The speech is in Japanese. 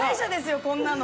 こんなの。